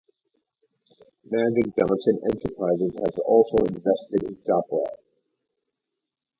Magic Johnson Enterprises has also invested in Jopwell.